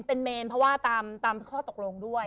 เป็นเมนเพราะว่าตามข้อตกลงด้วย